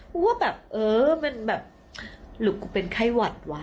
ว่าแบบเออมันแบบหรือกูเป็นไข้หวัดวะ